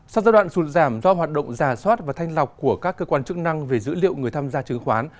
sau giai đoạn sụt giảm do hoạt động giả soát và thanh lọc của các cơ quan chức năng về dữ liệu người tham gia chứng khoán